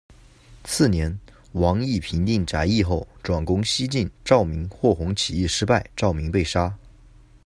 次年，王邑平定翟义后，转攻西进，赵明、霍鸿起义失败，赵明被杀。